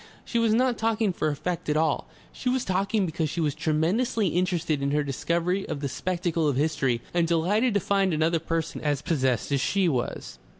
She was not talking for effect at all, she was talking because she was tremendously interested in her discovery of the spectacle of history, and delighted to find another person as possessed as she was.